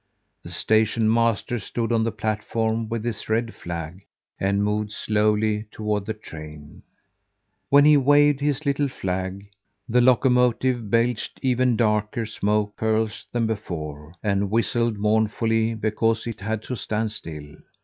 The station master stood on the platform with his red flag, and moved slowly toward the train. When he waved his little flag, the locomotive belched even darker smoke curls than before, and whistled mournfully because it had to stand still.